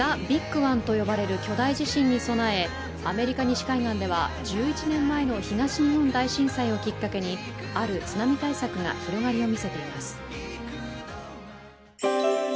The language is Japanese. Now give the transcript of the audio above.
ＴｈｅＢｉｇＯｎｅと呼ばれる巨大地震に備えアメリカ西海岸では、１１年前の東日本大震災をきっかけにある津波対策が広がりを見せています。